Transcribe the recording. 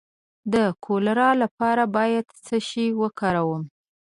د کولرا لپاره باید څه شی وکاروم؟